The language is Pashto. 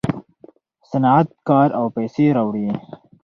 صنعت کار او پیسې راوړي.